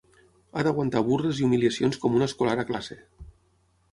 Ha d'aguantar burles i humiliacions com un escolar a classe.